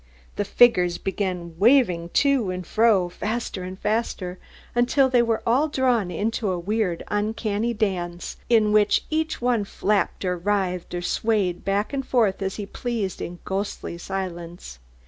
The figures began waving to and fro, faster and faster, until they were all drawn into a weird, uncanny dance, in which each one flapped or writhed or swayed back and forth as he pleased, in ghostly silence.